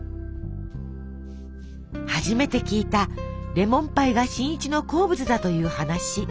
初めて聞いたレモンパイが新一の好物だという話。